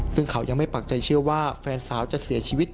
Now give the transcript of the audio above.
ซึ่งเขายังไม่ปักใจเชื่อว่าแฟนสาวจะเสียชีวิต